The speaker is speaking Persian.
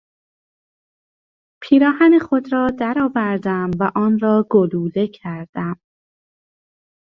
پیراهن خود را در آوردم و آن را گلوله کردم.